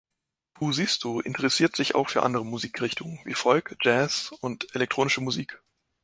Kuusisto interessiert sich auch für andere Musikrichtungen wie Folk, Jazz und elektronische Musik.